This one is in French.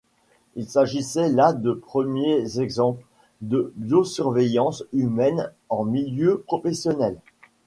Il s’agissait là de premiers exemples de biosurveillance humaine en milieu professionnel.